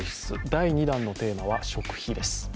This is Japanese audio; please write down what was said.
第２弾のテーマは食費です。